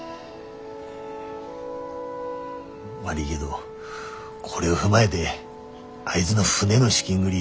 悪いげどこれを踏まえであいづの船の資金繰り